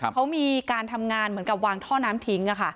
เขามีการทำงานเหมือนกับวางท่อน้ำทิ้ง